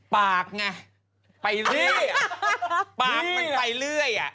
ปากไงไปเรื่อยแหละ